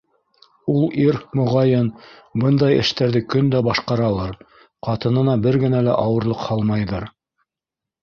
Ул ир, моғайын, бындай эштәрҙе көн дә башҡаралыр, ҡатынына бер генә лә ауырлыҡ һалмайҙыр.